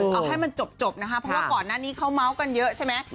เอาให้มันจบนะคะเพราะว่าก่อนหน้านี้เขาเมาส์กันเยอะใช่ไหม